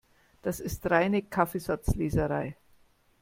Das ist reine Kaffeesatzleserei.